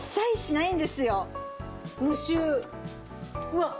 うわっ！